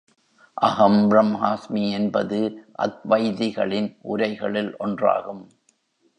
அஹம் ப்ரம்ஹாஸ்மி என்பது, அத்வைதிகளின் உரைகளுள் ஒன்றாகும்.